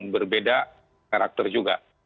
berbeda karakter juga